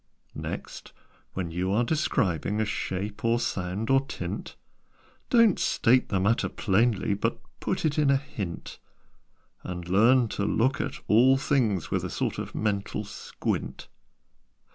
"Next, when you are describing A shape, or sound, or tint; Don't state the matter plainly, But put it in a hint; And learn to look at all things With a sort of mental squint."